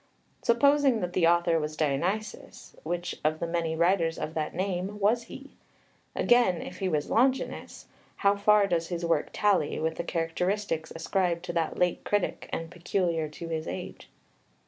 Supposing that the author was Dionysius, which of the many writers of that name was he? Again, if he was Longinus, how far does his work tally with the characteristics ascribed to that late critic, and peculiar to his age?